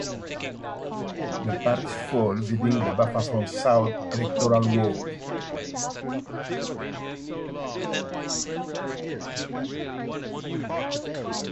The parish falls within the 'Bathavon South' electoral ward.